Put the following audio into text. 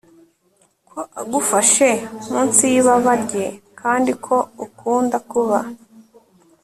Ko agufashe munsi yibaba rye kandi ko ukunda kuba